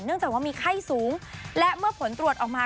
จากว่ามีไข้สูงและเมื่อผลตรวจออกมา